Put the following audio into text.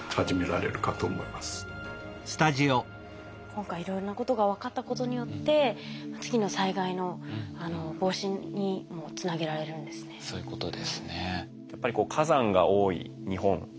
今回いろんなことが分かったことによって次の災害の防止にもつなげられるんですね。